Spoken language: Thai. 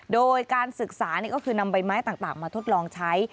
โดยการศึกษานี่ก็คือนำใบไม้ต่างมาทดลองใช้